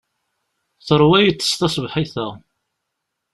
Teṛwa iḍes taṣebḥit-a.